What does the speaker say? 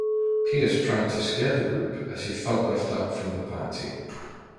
Pierce tried to scare the group as he felt left out from the party.